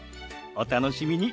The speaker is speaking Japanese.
お楽しみに。